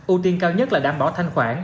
ưu tiên cao nhất là đảm bảo thanh khoản